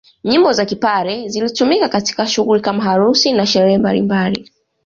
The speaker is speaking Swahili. Nyimbo za kipare zilitumika katika shughuli kama harusi na sherehe mbalimbali